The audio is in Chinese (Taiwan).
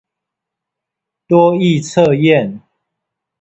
多益測驗